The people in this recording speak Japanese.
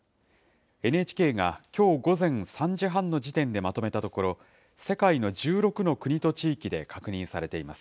ＮＨＫがきょう午前３時半の時点でまとめたところ、世界の１６の国と地域で確認されています。